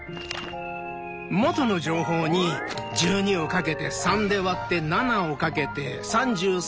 「元の情報」に１２をかけて３で割って７をかけて３３をかけて。